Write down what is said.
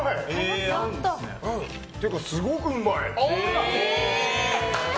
ってか、すごくうまい！